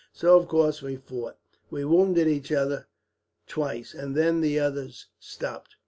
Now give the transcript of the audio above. So of course we fought. We wounded each other twice, and then the others stopped it.